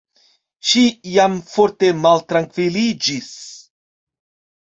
Ŝi jam forte maltrankviliĝis.